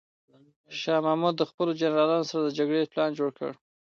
شاه محمود د خپلو جنرالانو سره د جګړې پلان جوړ کړ.